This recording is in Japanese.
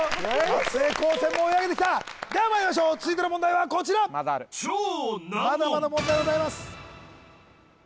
松江高専も追い上げてきたではまいりましょう続いての問題はこちらまだまだ問題はございます